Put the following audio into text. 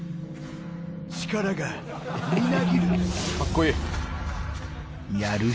力がみなぎる。